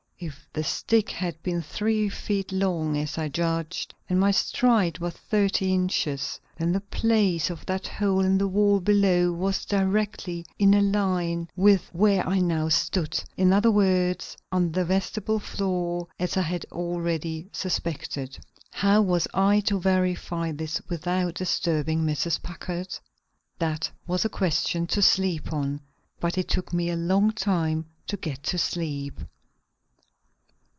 If the stick had been three feet long, as I judged, and my stride was thirty inches, then the place of that hole in the wall below was directly in a line with where I now stood, in other words, under the vestibule floor, as I had already, suspected. How was I to verify this without disturbing Mrs. Packard? That was a question to sleep on. But it took me a long time to get to sleep.